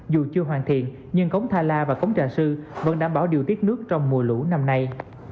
dù chưa hoàn thiện nhưng cống thala và cống trà sư vẫn đảm bảo điều tiết nước trong mùa lũ năm nay